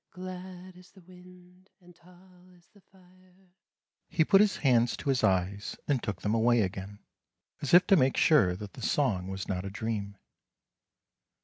{Glad is the wind and tall is the fire.) " He put his hands to his eyes, and took them away again, as if to make sure that the song was not a dream.